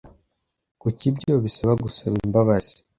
Kuki ibyo bisaba gusaba imbabazi?